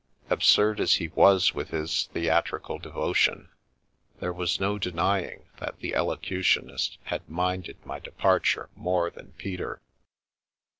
Absurd as he was with his theatrical devotion, there was no denying that the Elocutionist had minded my departure more than Peter.